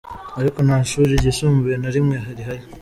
Ariko nta shuri ryisumbuye na rimwe rihari.